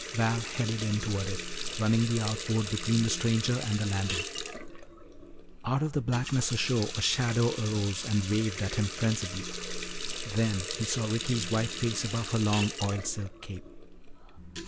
Val headed in toward it, running the outboard between the stranger and the landing. Out of the blackness ashore a shadow arose and waved at him frenziedly. Then he saw Ricky's white face above her long oil silk cape.